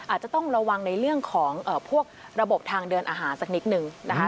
อาจจะต้องระวังในเรื่องของพวกระบบทางเดินอาหารสักนิดนึงนะคะ